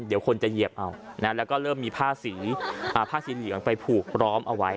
เดี๋ยวคนจะเหยียบเอาแล้วก็เริ่มมีผ้าสีผ้าสีเหลืองไปผูกร้อมเอาไว้